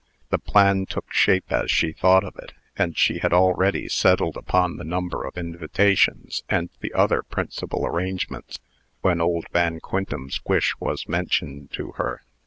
The plan took shape as she thought of it, and she had already settled upon the number of invitations, and the other principal arrangements, when old Van Quintem's wish was mentioned to her.